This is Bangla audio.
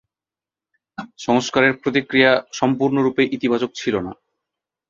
সংস্কারের প্রতিক্রিয়া সম্পূর্ণরূপে ইতিবাচক ছিল না।